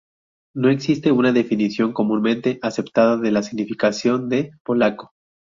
No existe una definición comúnmente aceptada de la significación de "polaco".